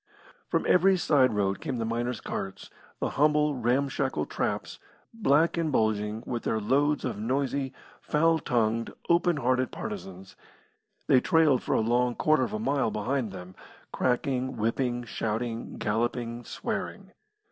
From every side road came the miners' carts, the humble, ramshackle traps, black and bulging, with their loads of noisy, foul tongued, open hearted partisans. They trailed for a long quarter of a mile behind them cracking, whipping, shouting, galloping, swearing.